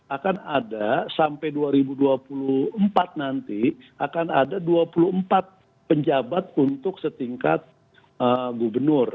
akan ada sampai dua ribu dua puluh empat nanti akan ada dua puluh empat penjabat untuk setingkat gubernur